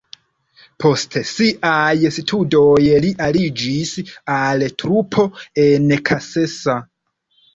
Post siaj studoj li aliĝis al trupo en Kassa.